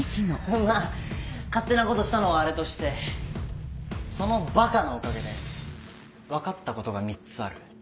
まぁ勝手なことしたのはあれとしてそのバカのおかげで分かったことが３つある。